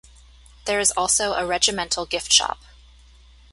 There is also a regimental gift shop.